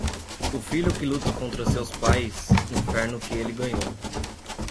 O filho que luta contra seus pais, inferno que ele ganhou.